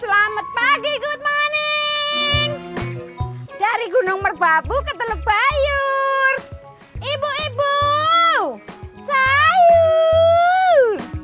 selamat pagi good morning dari gunung merbabu ke telebayur ibu ibu sayuu